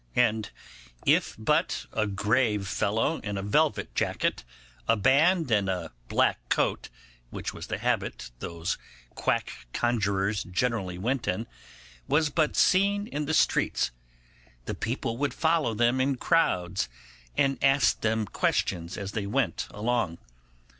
And if but a grave fellow in a velvet jacket, a band, and a black coat, which was the habit those quack conjurers generally went in, was but seen in the streets the people would follow them in crowds, and ask them questions as they went along.